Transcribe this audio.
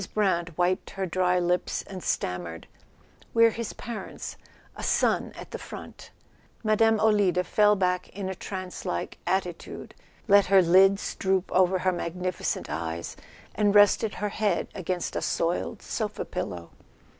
Brant wiped her dry lips and stammered: "We're his parents—a son at the front. .." Mme. Olida fell back in a trance like attitude, let her lips droop over her magnificent eyes, and rested her head against a soiled sofa pillow.